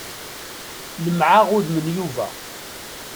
Lemmɛeɣ udem n Yuba.